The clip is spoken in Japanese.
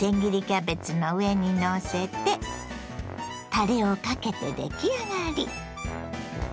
キャベツの上にのせてたれをかけて出来上がり。